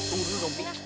tunggu dulu dong pi